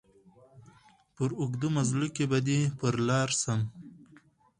په اوږد مزله کي به دي پر لار سم